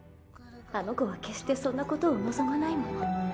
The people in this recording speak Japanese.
あの子は決してそんなことを望まないもの。